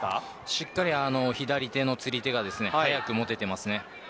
しっかり左手の釣り手が早く持てています。